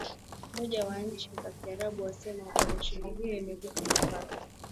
moja wa nchi za kiarabu wasema oparesheni hiyo imevuka mipaka